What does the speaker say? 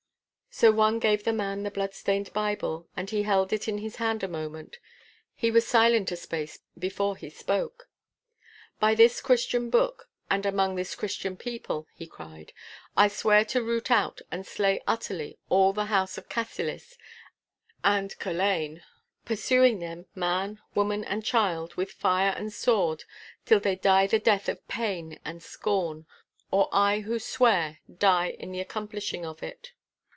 So one gave the man the blood stained Bible, and he held it in his hand a moment. He was silent a space before he spoke. 'By this Christian Book and among this Christian people,' he cried, 'I swear to root out and slay utterly all the house of Cassillis and Culzean, pursuing them, man, woman and child, with fire and sword till they die the death of pain and scorn, or I who swear die in the accomplishing of it.